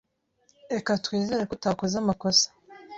Reka twizere ko utakoze amakosa.